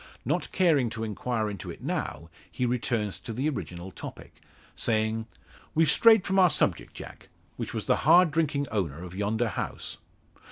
Not caring to inquire into it now, he returns to the original topic, saying: "We've strayed from our subject, Jack which was the hard drinking owner of yonder house."